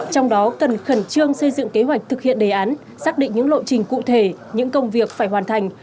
trong đó cần khẩn trương xây dựng kế hoạch thực hiện đề án xác định những lộ trình cụ thể những công việc phải hoàn thành